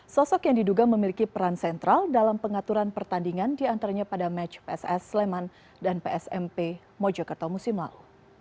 sosok yang diduga memiliki peran sentral dalam pengaturan pertandingan diantaranya pada match pss sleman dan psmp mojokerto musim lalu